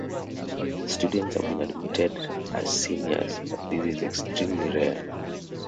Students have been admitted as seniors, but this is extremely rare.